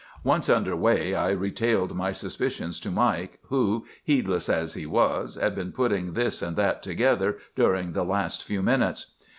"Once underway I retailed my suspicions to Mike, who, heedless as he was, had been putting this and that together during the last few minutes.